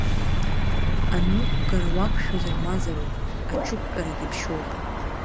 Аныҟәгара уақәшәозар мазароуп, аҽықәтәарагьы ԥшьоуп.